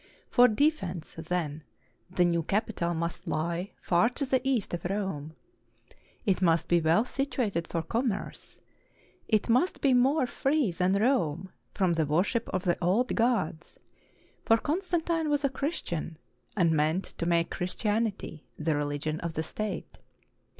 For defense, then, the new capital must lie far to the east of Rome. It must be well situated for commerce. It must be more free than Rome from the worship of the old gods; for Constantine was a Christian, and meant to make Christian ity the religion of the state.